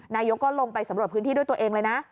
นายกก็ลงไปสำรวจพื้นที่ด้วยตัวเองเลยนะ